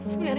ibu di mana